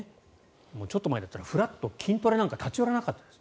ちょっと前だったらふらっと筋トレなんか立ち寄らなかったです。